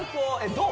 どう？